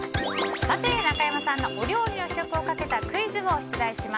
中山さんのお料理の試食をかけたクイズを出題します。